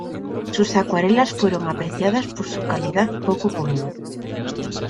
Sus acuarelas fueron apreciadas por su calidad poco común.